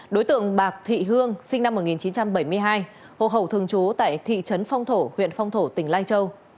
vân bạc thị hương sinh năm một nghìn chín trăm bảy mươi hai hộ khẩu thường trú tại thị trấn phong thổ huyện phong thổ tỉnh lai châu